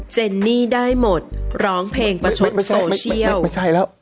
เจนี่ได้หมดร้องเพลงประชุดโซเชียล